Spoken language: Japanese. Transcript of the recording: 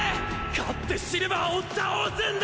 勝ってシルヴァーを倒すんだ